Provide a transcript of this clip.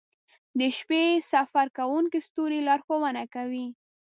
• د شپې سفر کوونکي ستوري لارښونه کوي.